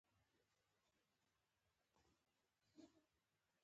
انګریزانو په زور مقاومتونه وځپل.